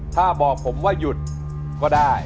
ถ้าบอกผมว่าหยุดก็ได้